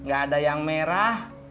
gak ada yang merah